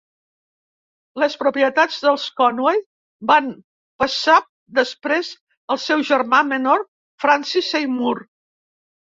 Les propietats dels Conway van passar després al seu germà menor Francis Seymour.